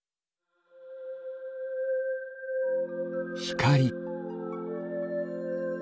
ひかり。